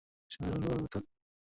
এ সফরে তার বোলিং আশানুরূপ ছিল না।